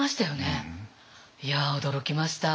いや驚きました。